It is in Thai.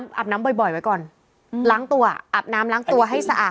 อาบน้ำบ่อยไว้ก่อนล้างตัวอาบน้ำล้างตัวให้สะอาด